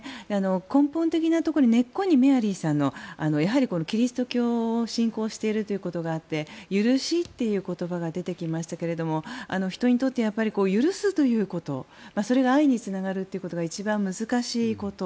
根本的なところ、根っこにメアリーさんのキリスト教を信仰しているということがあって許しっていう言葉が出てきましたけども人にとって許すということそれが愛につながるということが一番難しいこと。